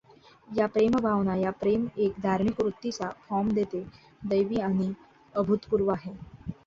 या प्रेम भावना या प्रेम एक धार्मिक वृत्तीचा फॉर्म देते दैवी आणि अभूतपूर्व आहे.